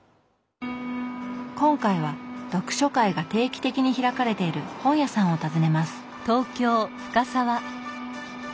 今回は読書会が定期的に開かれている本屋さんを訪ねます。